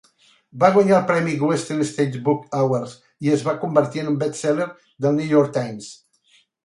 Va guanyar el premi Western States Book Award i es va convertir en un best- seller del "New York Times".